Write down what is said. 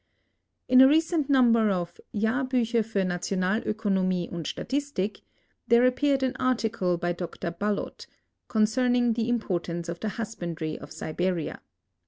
In a recent number of JahrbucJier fur Nntionaldkonamic und SUdistik there appeared an article by Dr Ballod " Concerning the importance of the husbandry of Siberia."